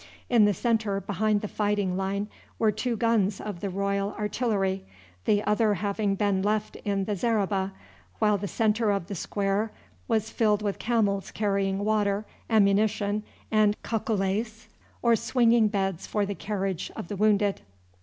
In the centre behind the fighting line were two guns of the Royal Artillery, the other having been left in the zareba, while the centre of the square was filled with camels carrying water, ammunition, and cacolets or swinging beds for the carriage of the wounded.